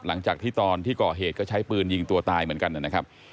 หลังจากที่ตอนที่ก่อเหตุก็ใช้ปืนยิงตัวตายเหมือนกันนะครับ